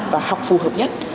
và học phù hợp nhất